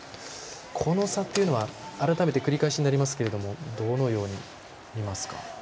この差っていうのは改めて繰り返しになりますがどのように見ますか？